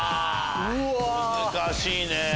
難しいね。